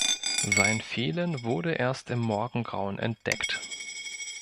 Sein Fehlen wurde erst im Morgengrauen entdeckt.